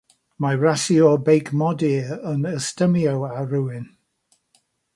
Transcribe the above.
Mae rasiwr beic modur yn ystumio ar rywun